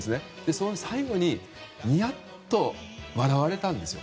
その最後にニヤッと笑われたんですよ。